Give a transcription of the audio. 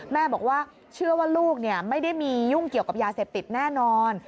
แม่บอกว่าเชื่อว่าลูกไม่ได้มียุ่งเกี่ยวกับยาเสพติดแน่นอน